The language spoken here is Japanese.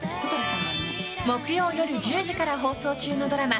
木曜夜１０時から放送中のドラマ